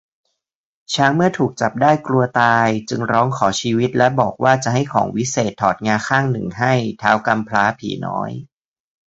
ช้างเมื่อถูกจับได้กลัวตาย จึงร้องขอชีวิตและบอกว่าจะให้ของวิเศษถอดงาข้างหนึ่งให้ ท้าวกำพร้าผีน้อย